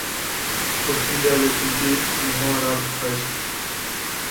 পশ্চিম দেয়ালে তিনটি মিহরাব রয়েছে।